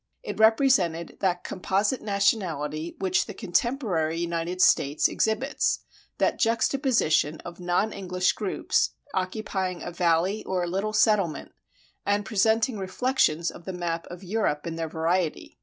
It represented that composite nationality which the contemporary United States exhibits, that juxtaposition of non English groups, occupying a valley or a little settlement, and presenting reflections of the map of Europe in their variety.